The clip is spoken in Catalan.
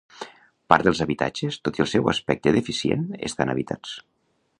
Part dels habitatges, tot i el seu aspecte deficient, estan habitats.